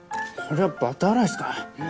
これはバターライスか？